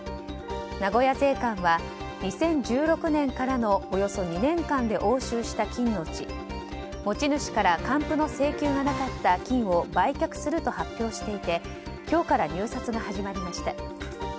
名古屋税関は２０１６年からのおよそ２年間で押収した金のうち持ち主から還付の請求がなかった金を売却すると発表していて今日から入札が始まりました。